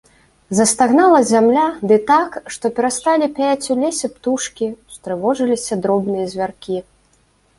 Застагнала зямля, ды так, што перасталі пяяць у лесе птушкі, устрывожыліся дробныя звяркі.